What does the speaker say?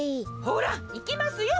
ほらいきますよ。